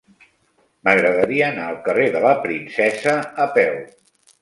M'agradaria anar al carrer de la Princesa a peu.